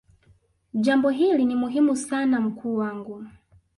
jambo hili ni muhimu sana mkuu wangu